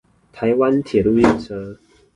台灣鐵路列車